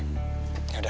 sampai besok ya